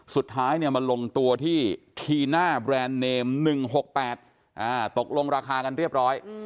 สุดท้ายมาลงตัวที่ทีหน้าแบรนด์เนม๑๖๘ตกลงราคากันเรียบร้อย